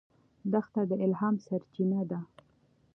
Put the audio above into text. دښته د الهام سرچینه ده.